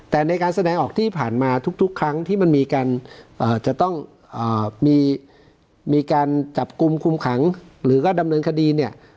แต่ในการแสดงออกที่ผ่านมาทุกครั้งที่มันมีการจะต้องมีการจับกลุ่มคุมขังหรือก็ดำเนินคดีเนี่ย